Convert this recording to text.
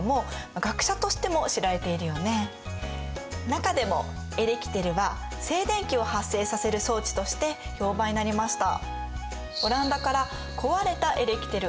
中でもエレキテルは静電気を発生させる装置として評判になりました。